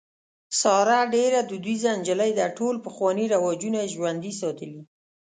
ساره ډېره دودیزه نجلۍ ده. ټول پخواني رواجونه یې ژوندي ساتلي.